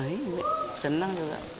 iya seneng juga